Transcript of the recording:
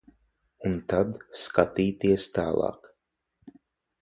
Un tad skatīties tālāk.